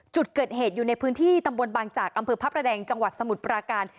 จุดเกิดเหตุอยู่ในพื้นที่ตำบลบางจากอำเภอพระประแดงจังหวัดสมุทรปราการ